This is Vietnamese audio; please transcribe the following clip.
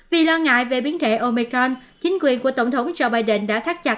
vì lo ngại về biến thể omecron chính quyền của tổng thống joe biden đã thắt chặt